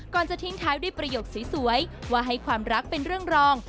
จะทิ้งท้ายด้วยประโยคสวยว่าให้ความรักเป็นเรื่องรอง